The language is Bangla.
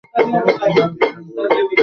তার পিতা আকবর আলী খান।